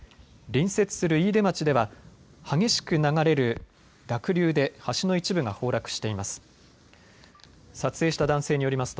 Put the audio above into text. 隣接する飯豊町では激しく流れる濁流で橋の一部が崩落しています。